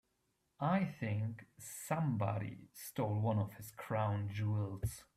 I think somebody stole one of his crown jewels.